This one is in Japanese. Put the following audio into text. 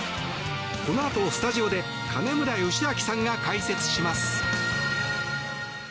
このあとスタジオで金村義明さんが解説します。